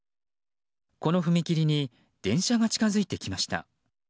この踏切に電車が近づいてきました。